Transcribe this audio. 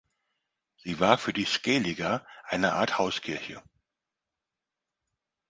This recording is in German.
Sie war für die Scaliger eine Art Hauskirche.